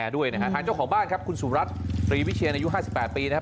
ด้วยนะครับทางเจ้าของบ้านครับคุณสุรัสตร์ฟรีวิเชียรอายุห้าสิบแปดปีนะครับ